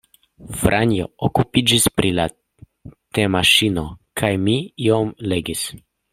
Franjo okupiĝis pri la temaŝino, kaj mi iom legis.